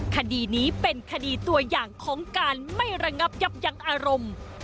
คดีนี้เป็นคดีตัวอย่างของการไม่ระงับยับยั้งอารมณ์